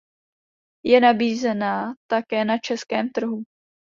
Je nabízena také na českém trhu.